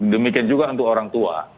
demikian juga untuk orang tua